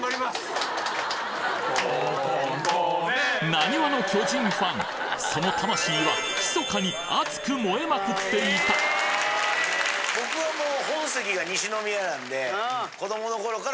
なにわの巨人ファンその魂は密かに熱く燃えまくっていた僕はもう。